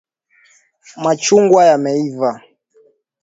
Machungwa yameiva.